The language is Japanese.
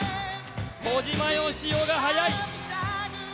小島よしおが速い。